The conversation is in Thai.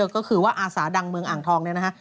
ก็คือว่าอาสาดังเมืองอ่างทองเนี่ยนะฮะ